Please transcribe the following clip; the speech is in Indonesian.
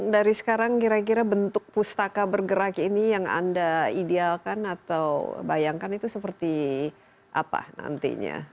dari sekarang kira kira bentuk pustaka bergerak ini yang anda idealkan atau bayangkan itu seperti apa nantinya